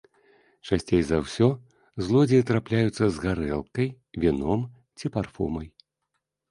Часцей за ўсё злодзеі трапляюцца з гарэлкай, віном ці парфумай.